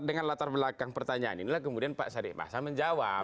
dengan latar belakang pertanyaan inilah kemudian pak sarif basah menjawab